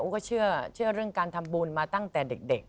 ก็เชื่อเรื่องการทำบุญมาตั้งแต่เด็ก